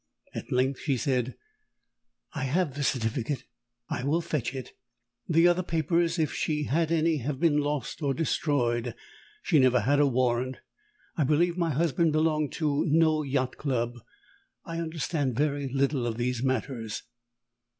At length she said, "I have the certificate; I will fetch it. The other papers, if she had any, have been lost or destroyed. She never had a warrant. I believe my husband belonged to no Yacht Club. I understand very little of these matters."